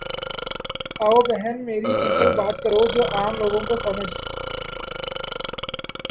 او بہن میری سمپل بات کرو جو عام لوگوں کو سمحجھ